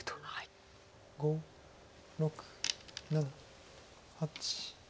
５６７８。